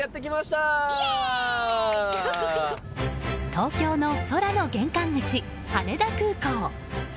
東京の空の玄関口、羽田空港。